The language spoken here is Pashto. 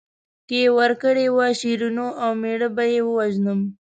که یې ورکړې وه شیرینو او مېړه به یې ووژنم.